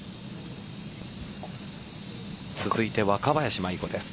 続いて若林舞衣子です。